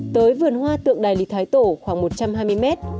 tới vườn hoa tượng đài lý thái tổ khoảng một trăm hai mươi mét